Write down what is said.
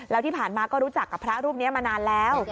แล้วที่ผ่านมาก็รู้จักกับพระรูปนี้มานานแล้ว